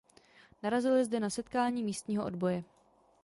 Narazili zde na setkání místního odboje.